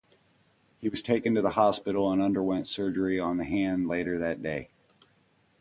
He was taken to hospital and underwent surgery on the hand later that day.